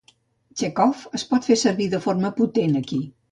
Chekov es pot fer servir de forma potent aquí.